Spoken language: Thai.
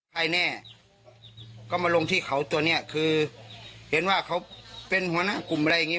ใครแน่ก็มาลงที่เขาตัวเนี้ยคือเห็นว่าเขาเป็นหัวหน้ากลุ่มอะไรอย่างนี้